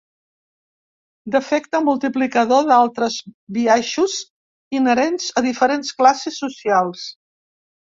D’efecte multiplicador d’altres biaixos inherents a diferents classes socials.